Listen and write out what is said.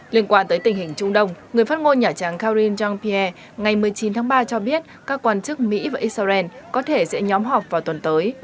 liên quan tới tình hình trung đông người phát ngôn nhà trang karine jean pierre ngày một mươi chín tháng ba cho biết các quan chức mỹ và israel có thể sẽ nhóm họp vào tuần tới